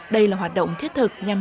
đây là hoạt động thiết thực nhằm